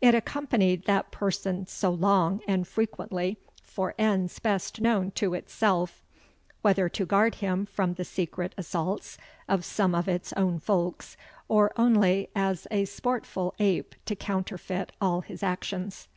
It accompanied that person so long and frequently for ends best known to its selve, whether to guard him from the secret assaults of some of its own folks, or only as an sportfull ape to counterfeit all his actions."